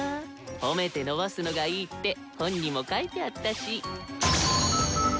褒めて伸ばすのがいいって本にも書いてあったし。